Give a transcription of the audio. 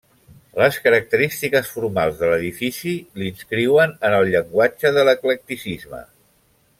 Les característiques formals de l'edifici l'inscriuen en el llenguatge de l'eclecticisme.